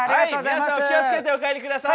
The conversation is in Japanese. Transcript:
皆さんお気をつけてお帰り下さい。